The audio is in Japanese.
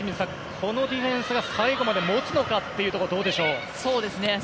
このディフェンスが最後まで持つのかというところどうでしょう。